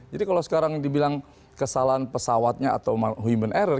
jadi kalau sekarang dibilang kesalahan pesawatnya atau human error